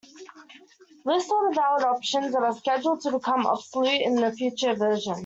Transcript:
List all the valid options that are scheduled to become obsolete in a future version.